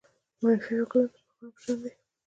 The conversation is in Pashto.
منفي فکرونه د مرغانو په شان دي.